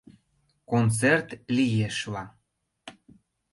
Концерт лиешла...